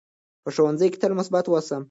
په ښوونځي کې تل مثبت اوسئ.